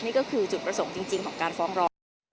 นี่ก็คือจุดประสงค์จริงของการฟ้องร้อง